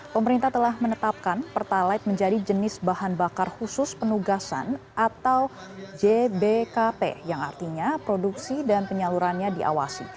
pemerintah telah menetapkan pertalite menjadi jenis bahan bakar khusus penugasan atau jbkp yang artinya produksi dan penyalurannya diawasi